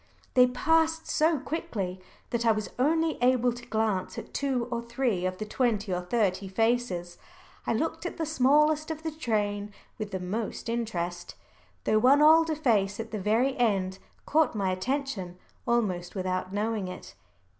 They passed so quickly, that I was only able to glance at two or three of the twenty or thirty faces. I looked at the smallest of the train with the most interest, though one older face at the very end caught my attention almost without my knowing it.